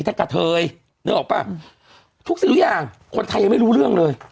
ถึงสิ่งทุกอย่างคนไทยไม่รู้เรื่องเลย